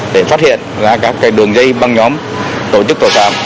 để phát hiện ra các đường dây băng nhóm tổ chức tội phạm